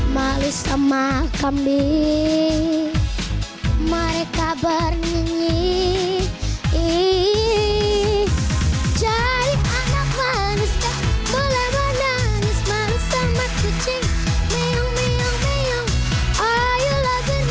malu sama kambing mbe mbe mbe ayolah bernyanyi gak boleh bersanung